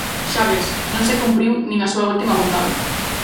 Xa ves, non se cumpriu nin a súa última vontade.